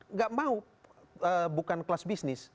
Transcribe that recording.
nggak mau bukan kelas bisnis